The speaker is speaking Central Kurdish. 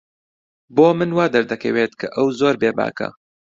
بۆ من وا دەردەکەوێت کە ئەو زۆر بێباکە.